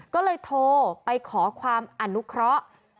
ก็เลยโทรไปขอความอนุเคราะห์